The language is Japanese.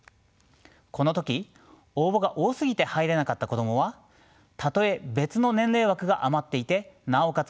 この時応募が多すぎて入れなかった子供はたとえ別の年齢枠が余っていてなおかつ